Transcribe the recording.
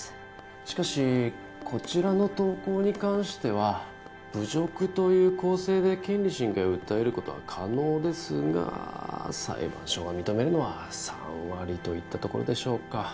しかしこちらの投稿に関しては侮辱という構成で権利侵害を訴えることは可能ですが裁判所が認めるのは３割といったところでしょうか。